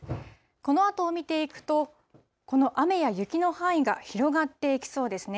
このあとを見ていくと、この雨や雪の範囲が広がっていきそうですね。